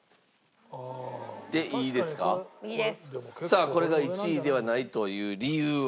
さあこれが１位ではないという理由は？